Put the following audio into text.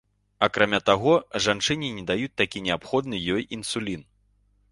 Акрамя таго, жанчыне не даюць такі неабходны ёй інсулін.